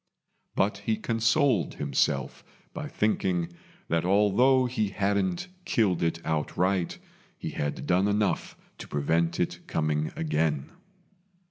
But he consoled himself by thinking that although he hadn't killed it outright, he had done enough to prevent it coming again.